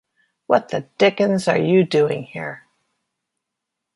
What the dickens are you doing here?